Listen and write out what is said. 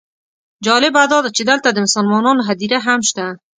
جالبه داده چې دلته د مسلمانانو هدیره هم شته.